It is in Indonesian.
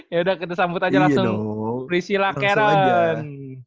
yaudah kita sambut aja langsung priscilla karen